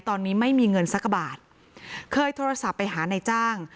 ตอนนี้ไม่มีเงินสักบาทเคยโทรศัพท์ไปหานายจ้าง